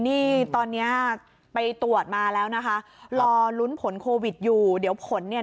นี่ตอนเนี้ยไปตรวจมาแล้วนะคะรอลุ้นผลโควิดอยู่เดี๋ยวผลเนี่ย